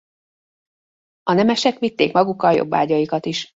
A nemesek vitték magukkal jobbágyaikat is.